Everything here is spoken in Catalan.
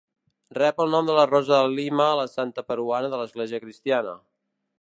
Rep el nom de Rosa de Lima, la santa peruana de l'església cristiana.